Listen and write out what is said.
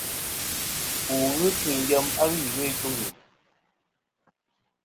Wù ghɨ suyn yem a ghɨ iwo i juŋi.